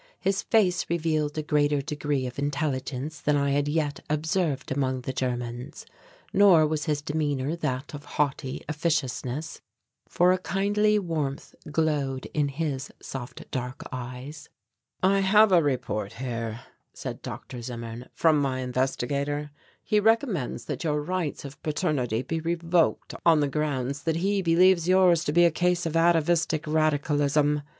His face revealed a greater degree of intelligence than I had yet observed among the Germans, nor was his demeanour that of haughty officiousness, for a kindly warmth glowed in his soft dark eyes. "I have a report here," said Dr. Zimmern, "from my Investigator. He recommends that your rights of paternity be revoked on the grounds that he believes yours to be a case of atavistic radicalism.